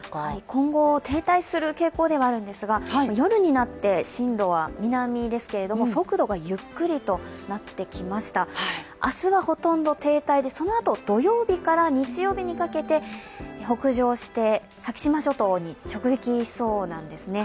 今後、停滞する傾向ではあるんですが夜になって進路は南ですけれども速度はゆっくりとなってきました、明日はほとんど停滞でそのあと、土曜日から日曜日にかけて北上して先島諸島に直撃しそうなんですね。